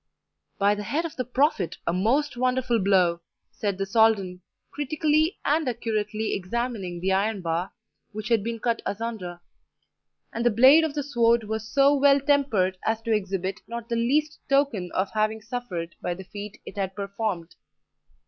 "By the head of the Prophet, a most wonderful blow!" said the Soldan, critically and accurately examining the iron bar which had been cut asunder; and the blade of the sword was so well tempered as to exhibit not the least token of having suffered by the feat it had performed.